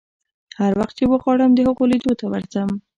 هر وخت چې وغواړم د هغو لیدو ته ورځم.